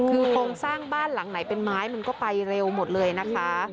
คือโครงสร้างบ้านหลังไหนเป็นไม้มันก็ไปเร็วหมดเลยนะคะ